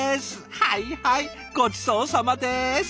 はいはいごちそうさまです。